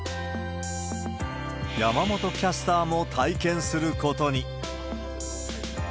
山本キャスターも体験することに。